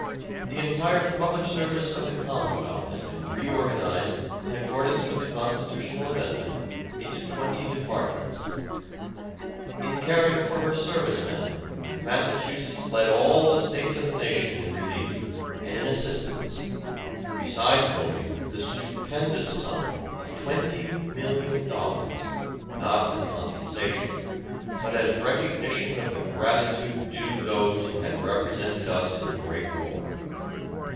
The entire public service of the Commonwealth has been reorganized in accordance with the constitutional amendment into twenty departments. In caring for her service men Massachusetts led all the States of the Nation in relief and in assistance, besides voting the stupendous sum of twenty million dollars, not as compensation, but as recognition of the gratitude due those who had represented us in the great war.